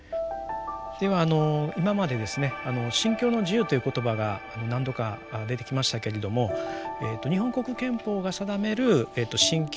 では今までですね「信教の自由」という言葉が何度か出てきましたけれども日本国憲法が定める「信教の自由」ということのですね